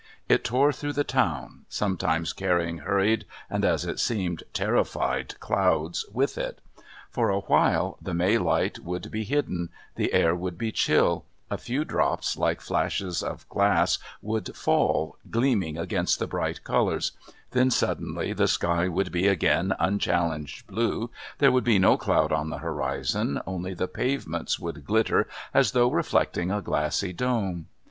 It tore through the town, sometimes carrying hurried and, as it seemed, terrified clouds with it; for a while the May light would be hidden, the air would be chill, a few drops like flashes of glass would fall, gleaming against the bright colours then suddenly the sky would be again unchallenged blue, there would be no cloud on the horizon, only the pavements would glitter as though reflecting a glassy dome.